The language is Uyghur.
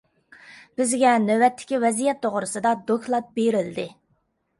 بىزگە نۆۋەتتىكى ۋەزىيەت توغرىسىدا دوكلات بېرىلدى.